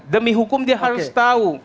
demi hukum dia harus tahu